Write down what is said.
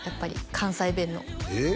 関西弁のええ？